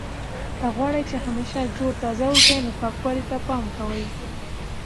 که غواړئ چې همیشه جوړ تازه اوسئ نو پاکوالي ته پام کوئ.